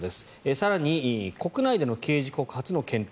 更に国内での刑事告発も検討